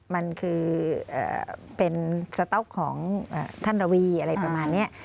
มันคือเป็นสต๊อกของท่านระวีอะไรประมาณนี้